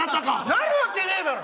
なるわけねえだろ！